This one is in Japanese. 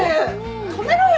止めろよ！